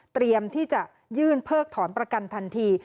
เตรียมที่จะยื่นเพิกถอนประกันทันที